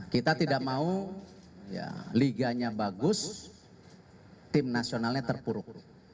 kita tidak mau liganya bagus tim nasionalnya terpuruk